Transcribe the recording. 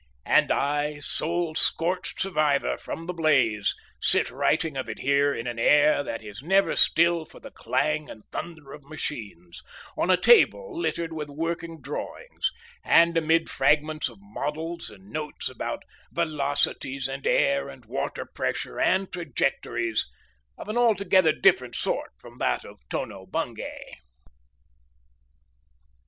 And I, sole scorched survivor from the blaze, sit writing of it here in an air that is never still for the clang and thunder of machines, on a table littered with working drawings, and amid fragments of models and notes about velocities and air and water pressures and trajectories—of an altogether different sort from that of Tono Bungay.